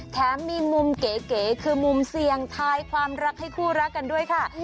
แถมมีมุมเก๋คือมุมเสี่ยงทายความรักให้คู่รักกันด้วยค่ะ